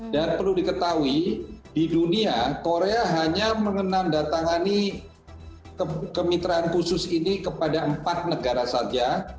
dan perlu diketahui di dunia korea hanya mengenandatangani kemitraan khusus ini kepada empat negara saja